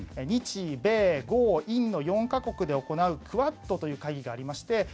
日米豪印の４か国で行うクアッドという会議がありまして